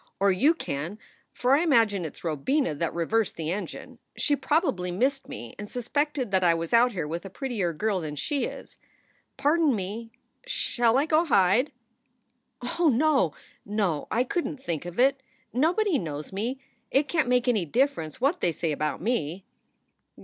Or you can, for I imagine it s Robina that reversed the engine. She probably missed me and suspected that I was out here with a prettier girl than she is pardon me ! Shall I go hide ?" "Oh no! no! I couldn t think of it. Noboby knows me. It can t make any difference what they say about me."